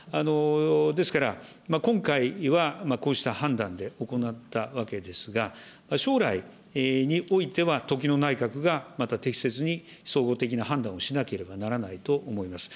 ですから、今回はこうした判断で行ったわけですが、将来においては、時の内閣がまた適切に総合的な判断をしなければならないと思います。